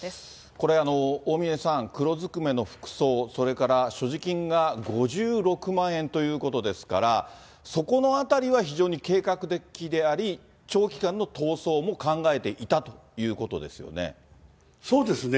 これ、大峯さん、黒ずくめの服装、それから所持金が５６万円ということですから、そこのあたりは非常に計画的であり、長期間の逃走も考えていたということですよね。